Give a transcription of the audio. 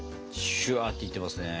シュワっていってますね。